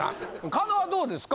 狩野はどうですか？